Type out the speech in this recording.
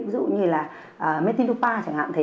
ví dụ như là metilupa chẳng hạn thế